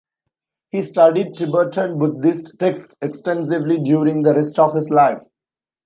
He studied Tibetan Buddhist texts extensively during the rest of his life.